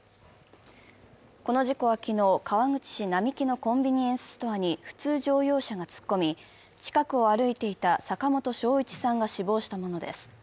この事故は昨日、川口市並木のコンビニエンスストアに普通乗用車が突っ込み、近くを歩いていた坂本正一さんが死亡したものです。